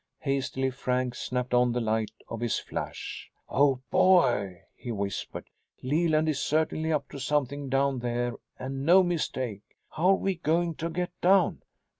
Hastily Frank snapped on the light of his flash. "Oh boy!" he whispered. "Leland is certainly up to something down there and no mistake! How're we going to get down?"